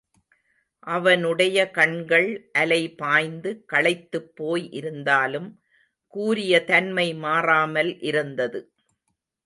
அவனுடயை கண்கள் அலை பாய்ந்து, களைத்துப்போய் இருந்தாலும், கூரிய தன்மை மாறாமல் இருந்தது.